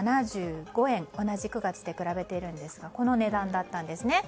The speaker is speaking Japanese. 同じ９月で比べているんですがこの値段だったんですね。